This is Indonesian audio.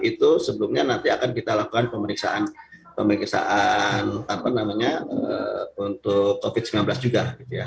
itu sebelumnya nanti akan kita lakukan pemeriksaan untuk covid sembilan belas juga